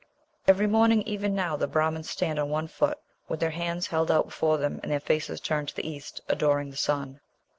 Every morning even now the Brahmans stand on one foot, with their hands held out before them and their faces turned to the east, adoring the sun.